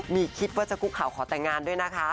มีคิดว่าจะคุกข่าวขอแต่งงานด้วยนะคะ